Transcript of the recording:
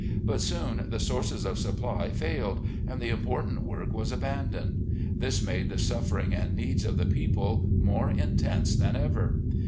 But soon the sources of supply failed and the important work was abandoned. , This made the suffering and needs of the people more intense than ever.